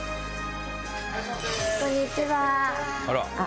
こんにちは。